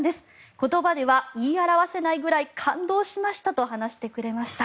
言葉では言い表せないぐらい感動しましたと話してくれました。